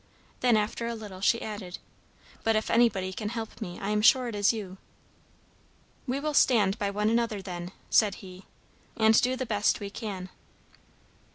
Then after a little she added "But if anybody can help me I am sure it is you." "We will stand by one another, then," said he, "and do the best we can."